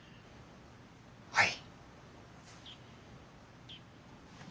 はい。